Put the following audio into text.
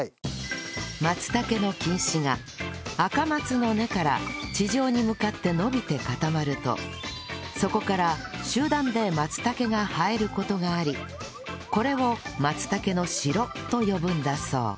松茸の菌糸がアカマツの根から地上に向かって伸びて固まるとそこから集団で松茸が生える事がありこれを松茸のシロと呼ぶんだそう